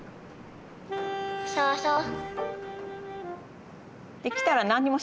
そうそう。